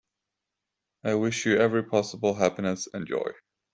I wish you every possible happiness and joy.